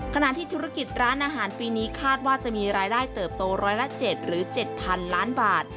ขณะที่ธุรกิจร้านอาหารปีนี้คาดว่าจะมีรายได้เติบโตร้อยละ๗หรือ๗๐๐ล้านบาท